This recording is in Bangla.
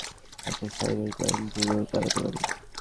সাথে সাইবার ক্রাইম ব্যুরোও চালাতে পারি।